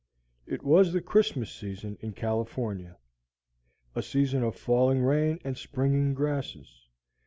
It was the Christmas season in California, a season of falling rain and springing grasses.